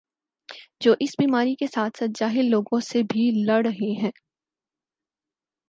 جو اس بیماری کے ساتھ ساتھ جاہل لوگوں سے بھی لڑ رہے ہیں